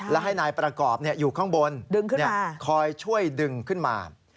และให้นายประกอบอยู่ข้างบนคอยช่วยดึงขึ้นมา